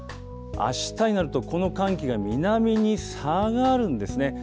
あしたになると、この寒気が南に下がるんですね。